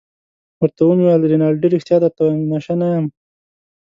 ورته ومې ویل: رینالډي ريښتیا درته وایم، نشه نه یم.